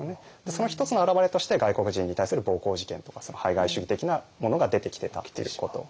その一つの表れとして外国人に対する暴行事件とか排外主義的なものが出てきてたっていうことですね。